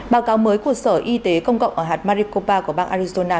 báo cáo mới của sở y tế công cộng ở hạt maricopa của bang arizona